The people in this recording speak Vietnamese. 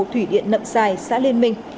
thủy điện nậm sài xã liên minh